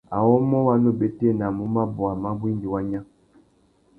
Awômô wa nu bétēnamú mabôwa mabú indi wa nya.